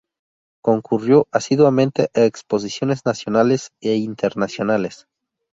Concurrió asiduamente a exposiciones nacionales e internacionales.